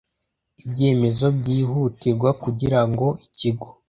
ibyemezo byihutirwa kugirango ikigo